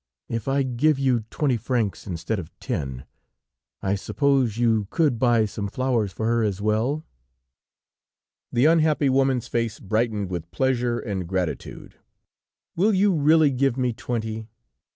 If I give you twenty francs instead of ten, I suppose you could buy some flowers for her, as well?" The unhappy woman's face brightened with pleasure and gratitude. "Will you really give me twenty?"